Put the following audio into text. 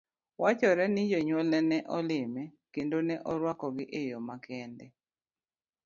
Wachore ni ne jonyuolne ne olime, kendo ne oruako gi eyo makende.